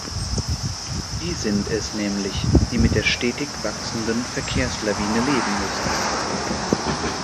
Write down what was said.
Sie sind es nämlich, die mit der stetig wachsenden Verkehrslawine leben müssen.